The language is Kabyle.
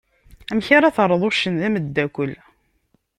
Amek ara terreḍ uccen d amdakel?